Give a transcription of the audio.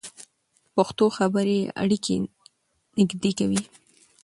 پښتو خبرې اړیکې نږدې کوي.